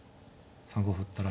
３五歩打ったら。